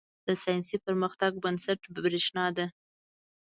• د ساینسي پرمختګ بنسټ برېښنا ده.